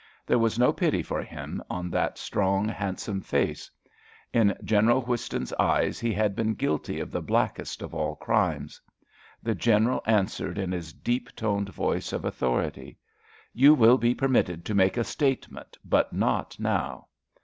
There was no pity for him on that strong, handsome face. In General Whiston's eyes he had been guilty of the blackest of all crimes. The General answered in his deep toned voice of authority. "You will be permitted to make a statement, but not now."